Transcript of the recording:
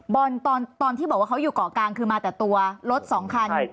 บอลตอนที่บอกว่าเขาอยู่เกาะกลางคือมาแต่ตัวรถสองคันยังจอดอยู่ฝั่ง